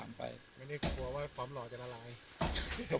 วันนี้ก็จะเป็นสวัสดีครับ